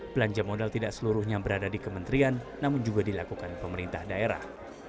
belanja modal tidak seluruhnya berada di kementerian namun juga dilakukan pemerintah daerah